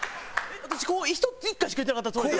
私「こ」１回しか言うてなかったつもりで。